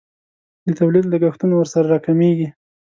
د تولید لګښتونه ورسره راکمیږي.